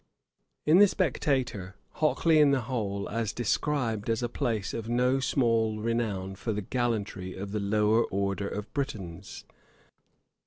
In The Spectator, No. 436, Hockley in the Hole is described as 'a place of no small renown for the gallantry of the lower order of Britons.'